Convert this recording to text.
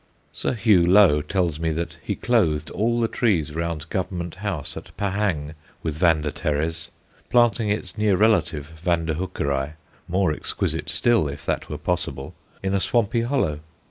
Sir Hugh Low tells me that he clothed all the trees round Government House at Pahang with Vanda teres, planting its near relative, V. Hookeri, more exquisite still, if that were possible, in a swampy hollow.